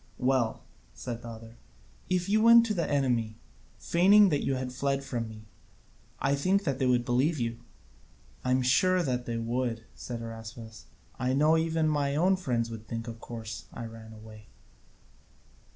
"Well," said the other, "if you went to the enemy, feigning that you had fled from me, I think they would believe you." "I am sure they would," said Araspas, "I know even my own friends would think that of course I ran away."